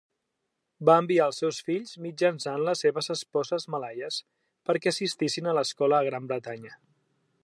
Va enviar els seus fills, mitjançant les seves esposes malaies, perquè assistissin a l'escola a Gran Bretanya.